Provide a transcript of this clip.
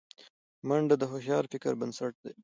منډه د هوښیار فکر بنسټ دی